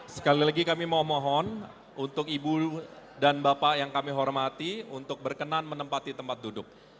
sekali lagi kami mohon untuk ibu dan bapak yang kami hormati untuk berkenan menempati tempat duduk